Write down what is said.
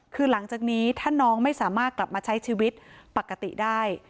คือหลังจากนี้ถ้าน้องไม่สามารถกลับมาใช้ชีวิตปกติได้